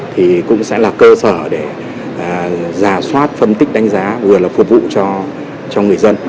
thì cũng sẽ là cơ sở để giả soát phân tích đánh giá vừa là phục vụ cho người dân